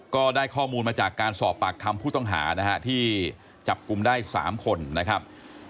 ก็ได้ข้อมูลมาจากการสอบปากคำผู้ต้องหานะฮะที่จับกลุ่มได้๓คนนะครับ